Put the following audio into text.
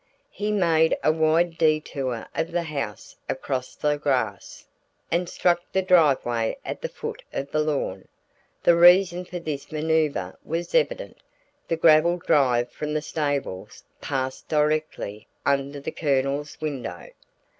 He made a wide detour of the house across the grass, and struck the driveway at the foot of the lawn; the reason for this manoeuvre was evident the gravel drive from the stables passed directly under the Colonel's window.